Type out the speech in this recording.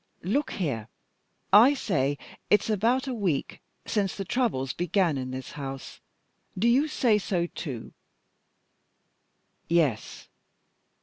Look here! I say it's about a week since the troubles began in this house. Do you say so too?" "Yes."